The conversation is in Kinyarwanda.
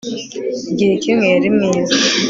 igihe kimwe yari mwiza